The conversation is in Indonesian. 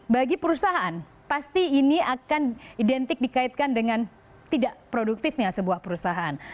bagi perusahaan pasti ini akan identik dikaitkan dengan tidak produktifnya sebuah perusahaan